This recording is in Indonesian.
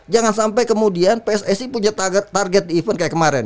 jangan sampai kemudian pssi punya target di event kayak kemarin